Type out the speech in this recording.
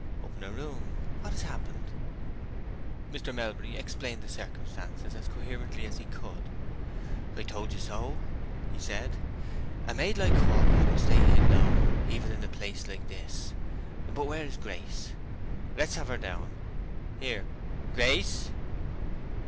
"Up in her room—what has happened!" Mr. Melbury explained the circumstances as coherently as he could. "I told you so," he said. "A maid like her couldn't stay hid long, even in a place like this. But where is Grace? Let's have her down. Here—Gra a ace!"